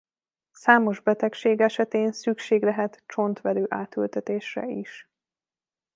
Számos betegség esetén szükség lehet csontvelő átültetésre is.